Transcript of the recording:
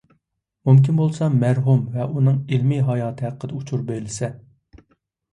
مۇمكىن بولسا مەرھۇم ۋە ئۇنىڭ ئىلمىي ھاياتى ھەققىدە ئۇچۇر بېرىلسە.